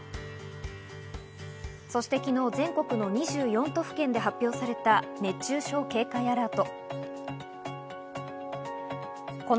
そして昨日、全国の２４都府県で発表された熱中症警戒アラート。